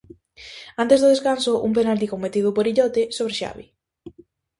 Antes do descanso, un penalti cometido por illote sobre Xavi.